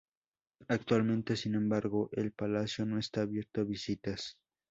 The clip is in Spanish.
Actualmente, sin embargo, el palacio no está abierto a visitas.